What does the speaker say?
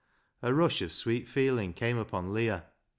Yi." A rush of sweet feeling came upon Leah.